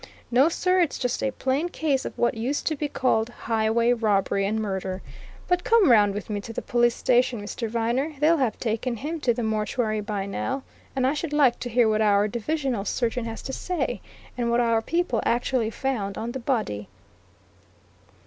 No sir it's just a plain case of what used to be called highway robbery and murder. But come round with me to the police station, Mr. Viner they'll have taken him to the mortuary by now, and I should like to hear what our divisional surgeon has to say, and what our people actually found on the body."